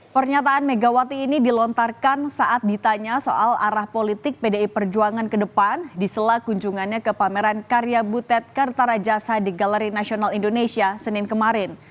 pernyataan megawati ini dilontarkan saat ditanya soal arah politik pdi perjuangan ke depan di selak kunjungannya ke pameran karya butet kertarajasa di galeri nasional indonesia senin kemarin